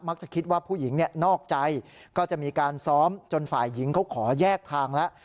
จะคิดว่าผู้หญิงนอกใจก็จะมีการซ้อมจนฝ่ายหญิงเขาขอแยกทางแล้ว